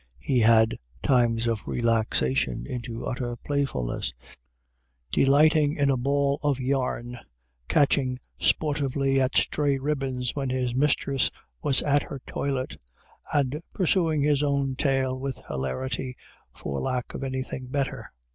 He had times of relaxation into utter playfulness, delighting in a ball of yarn, catching sportively at stray ribbons when his mistress was at her toilet, and pursuing his own tail, with hilarity, for lack of anything better.